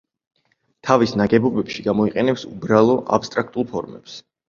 თავის ნაგებობებში გამოიყენებს უბრალო, აბსტრაქტულ ფორმებს.